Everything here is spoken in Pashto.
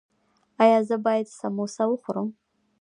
ایا زه باید سموسه وخورم؟